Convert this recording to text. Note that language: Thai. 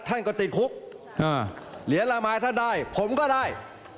ท่านก็ติดคุกเหรียญละไม้ท่านได้ผมก็ได้